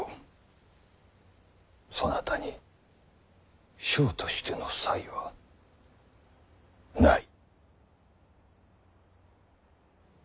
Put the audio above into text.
そなたに将としての才はない。